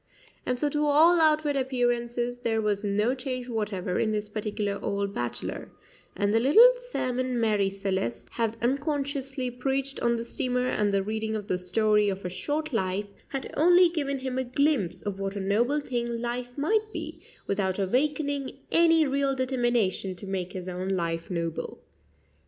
And so to all outward appearances there was no change whatever in this particular old bachelor, and the little sermon Marie Celeste had unconsciously preached on the steamer and the reading of the "Story of a Short Life" had only given him a glimpse of what a noble thing life might be, without awakening any real determination to make his own life noble.